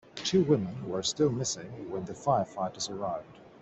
Two women were still missing when the firefighters arrived.